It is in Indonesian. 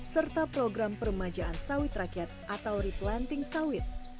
serta program peremajaan sawit rakyat atau replanting sawit